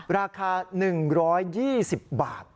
ราคา๑๒๐บาท